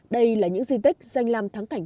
đây là những di tích danh làm tháng cảnh